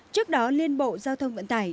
trước đó liên bộ giao thông vận tải